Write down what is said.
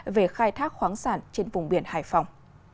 về khai thác khoáng sản trên vùng biển hải phòng